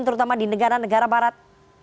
terutama di negara negara barat